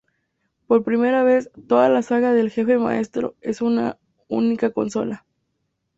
Por primera vez, toda la saga del Jefe Maestro en una única consola.